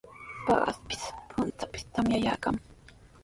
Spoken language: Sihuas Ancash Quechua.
Paqaspis, puntrawpis tamyaykanmi.